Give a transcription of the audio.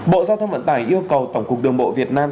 bộ giao thông vận tải yêu cầu tổng cục đường bộ việt nam